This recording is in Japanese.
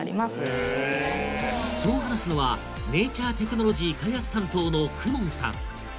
へぇそう話すのはネイチャ―テクノロジー開発担当の公文さん